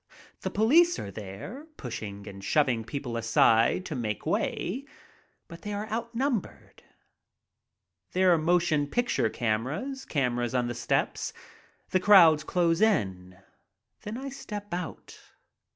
The police are there, pushing and shoving people aside to make way, but they are outnumbered. There are motion picture cameras, cameras on the steps. The crowds close in. Then I step out.